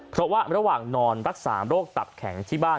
เพราะว่าระหว่างนอนรักษาโรคตับแข็งที่บ้าน